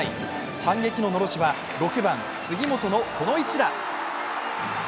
反撃ののろしは６番・杉本のこの一打。